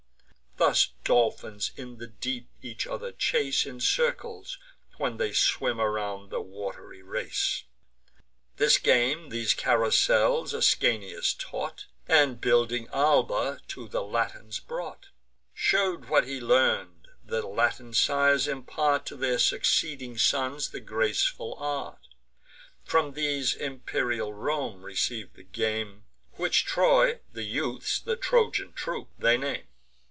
Thus dolphins in the deep each other chase In circles, when they swim around the wat'ry race. This game, these carousels, Ascanius taught; And, building Alba, to the Latins brought; Shew'd what he learn'd: the Latin sires impart To their succeeding sons the graceful art; From these imperial Rome receiv'd the game, Which Troy, the youths the Trojan troop, they name.